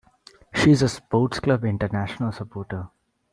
She is a Sport Club Internacional supporter.